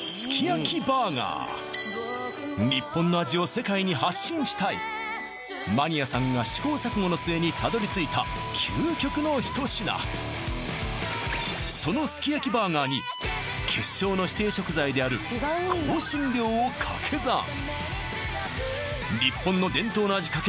そう発信したいマニアさんが試行錯誤の末にたどりついた究極の一品そのすき焼きバーガーに決勝の指定食材である香辛料を掛け算日本の伝統の味×